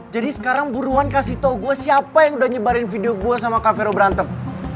jadi sekarang buruan kasih tau gua siapa yang udah nyebarin video gua sama kavero berantem